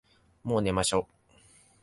もう寝ましょ。